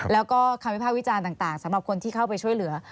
แล้วก็คำวิภาควิจารณ์ต่างสำหรับคนที่เข้าไปช่วยเหลือ